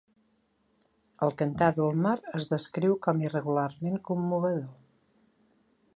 El cantar d'Ulmer es descriu com "irregularment commovedor".